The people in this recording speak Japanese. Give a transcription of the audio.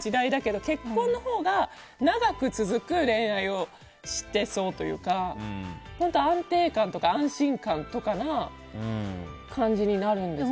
時代だけど結婚のほうが長く続く恋愛をしてそうというか安定感とか安心感とかな感じになるんですね。